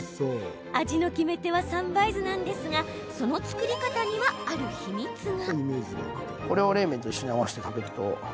味の決め手は三杯酢なんですがその作り方には、ある秘密が！